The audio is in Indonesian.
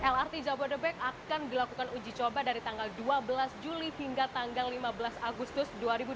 lrt jabodebek akan dilakukan uji coba dari tanggal dua belas juli hingga tanggal lima belas agustus dua ribu dua puluh